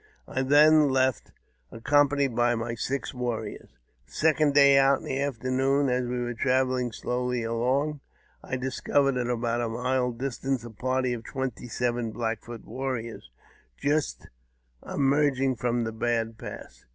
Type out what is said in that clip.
I then left, accompanied by my six warriors. The second day out, in the afternoon, as we were travelling slowly along, I discovered, at about a mile distance, a party of twenty seven Black Foot warriors, just emerging from the Bad Pass.